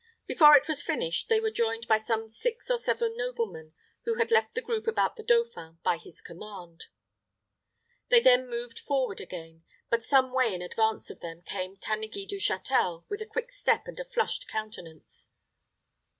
Before it was finished they were joined by some six or seven noblemen who had left the group about the dauphin by his command. They then moved forward again; but some way in advance of them came Tanneguy du Châtel, with a quick step and a flushed countenance.